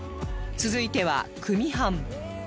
続いては組版